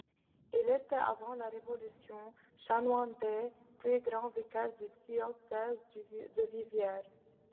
Il était, avant la Révolution, chanoine d'Aix puis grand vicaire du diocèse de Viviers.